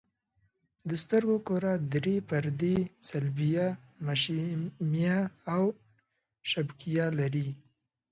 د سترګو کره درې پردې صلبیه، مشیمیه او شبکیه لري.